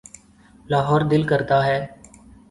لاہور دل کرتا ہے۔